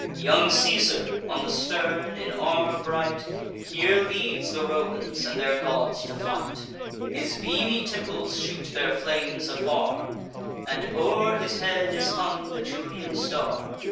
Young Caesar, on the stern, in armour bright, Here leads the Romans and their gods to fight: His beamy temples shoot their flames afar, And o'er his head is hung the Julian star.